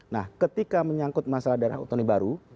nah ketika menyangkut masalah daerah otonomi baru